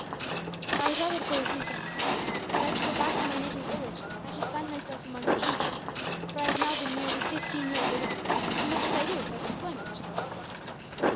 "I would rather go with you, sahib. Were I to go back to my native village, I should find myself among strangers, for I have now been nearly fifteen years away; and what should I do without employment?"